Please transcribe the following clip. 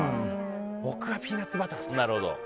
僕はピーナッツバターですね。